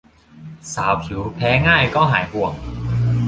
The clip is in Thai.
สาวผิวแพ้ง่ายก็หายห่วง